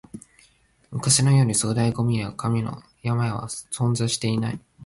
昔のように粗大ゴミや紙の山は存在していない